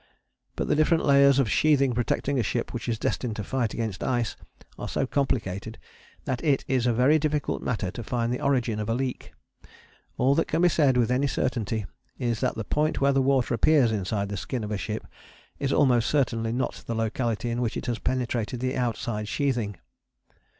But the different layers of sheathing protecting a ship which is destined to fight against ice are so complicated that it is a very difficult matter to find the origin of a leak. All that can be said with any certainty is that the point where the water appears inside the skin of the ship is almost certainly not the locality in which it has penetrated the outside sheathing.